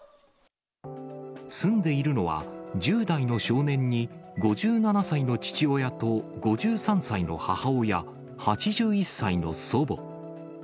住んでいるのは、１０代の少年に５７歳の父親と５３歳の母親、８１歳の祖母。